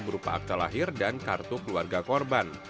berupa akta lahir dan kartu keluarga korban